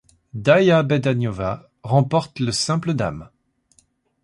Dája Bedáňová remporte le simple dames.